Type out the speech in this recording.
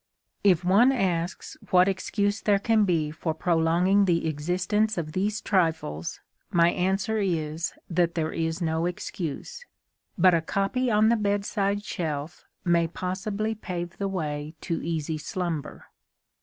If one asks what excuse there can be for prolonging the existence of these trifles, my answer is that there is no excuse. But a copy on the bedside shelf may possibly pave the way to easy slumber.